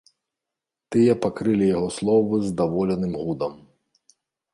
Тыя пакрылі яго словы здаволеным гудам.